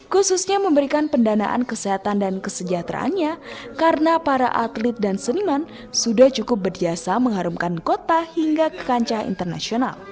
khususnya memberikan pendanaan kesehatan dan kesejahteraannya karena para atlet dan seniman sudah cukup berjasa mengharumkan kota hingga ke kancah internasional